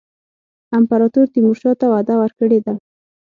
امپراطور تیمورشاه ته وعده ورکړې ده.